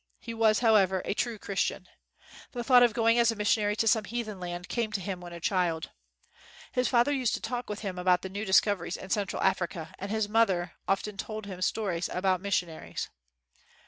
He was, however, a true Christian. The thought of going as a missionary to some heathen land came to him when a child. His father used to talk with him about the new discoveries in Central Africa, and his 27 WHITE MAN OF WORK mother often told him stories about mission aries.